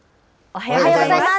おはようございます。